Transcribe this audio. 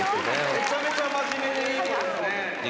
「めちゃめちゃ真面目でいい子ですね」